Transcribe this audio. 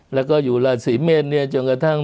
แล้วก็อยู่ราศีเมษเนี่ยจนกระทั่ง